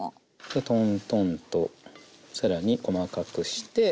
トントンと更に細かくして。